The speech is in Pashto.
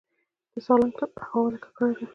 د سالنګ تونل هوا ولې ککړه ده؟